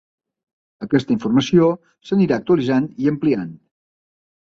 Aquesta informació s'anirà actualitzant i ampliant.